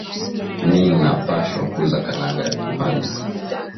Mina pashwa kuza kalanga ya ku panda